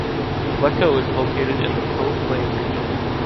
Lecco is located in the Po Plain region.